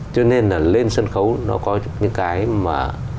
cho nên là lên sân khấu nó có những cái mà